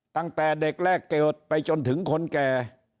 ตั้งแต่เด็กแรกเกิดไปจนถึงคนแก่